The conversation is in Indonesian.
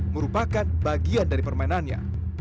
merupakan bagian dari permainannya